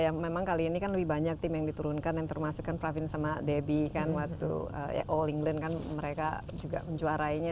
ya memang kali ini kan lebih banyak tim yang diturunkan yang termasuk kan pravin sama debbie kan waktu all england kan mereka juga menjuarainya